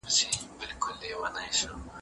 حقوقپوهانو به د رایې ورکولو حق تضمین کوی.